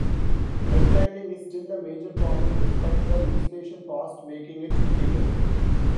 Redlining is still a major problem despite the legislation passed making it illegal.